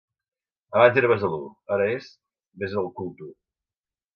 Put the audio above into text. Abans era Besalú, ara és: beses el cul tu.